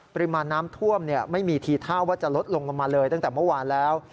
ปริมาณน้ำท่วมไม่มีทีท่าว่าจะลดลงลงมาเลยตั้งแต่เมื่อวานแล้ว